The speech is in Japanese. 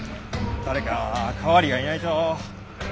誰か代わりがいないと。